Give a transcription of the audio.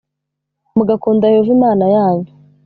mugakunda Yehova Imana yanyu